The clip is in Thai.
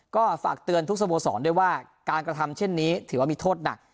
ก็ฝากเตือนทุกสโมสรด้วยว่าการกระทำเช่นนี้ถือว่ามีโทษหนัก